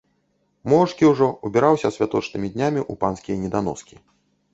Моўчкі ўжо ўбіраўся святочнымі днямі ў панскія неданоскі.